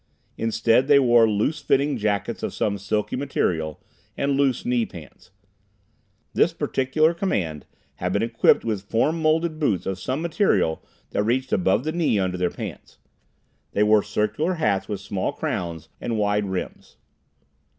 Instead they wore loose fitting jackets of some silky material, and loose knee pants. This particular command had been equipped with form moulded boots of some soft material that reached above the knee under their pants. They wore circular hats with small crowns and wide rims.